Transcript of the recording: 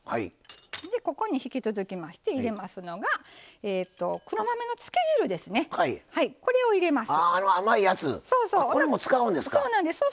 ここに引き続きまして入れますのが黒豆のつけ汁を入れます。